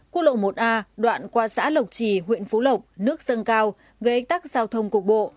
quốc lộ một a đoạn qua xã lộc trì huyện phú lộc nước dâng cao gây tắc giao thông cục bộ